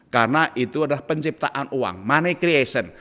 karena itu adalah penciptaan uang money creation